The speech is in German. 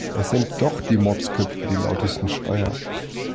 Es sind doch die Motzköpfe die lautesten Schreier.